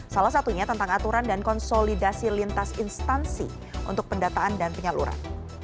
salah satunya tentang aturan dan konsolidasi lintas instansi untuk pendataan dan penyaluran